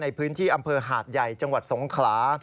ในพื้นที่อำเภอหาดใหญ่จังหวัดสงขลา